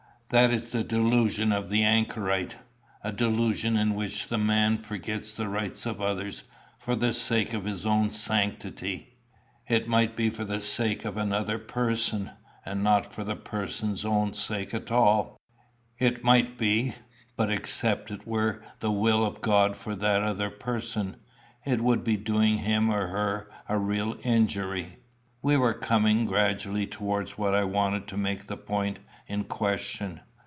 That is the delusion of the anchorite a delusion in which the man forgets the rights of others for the sake of his own sanctity." "It might be for the sake of another person, and not for the person's own sake at all." "It might be; but except it were the will of God for that other person, it would be doing him or her a real injury." We were coming gradually towards what I wanted to make the point in question.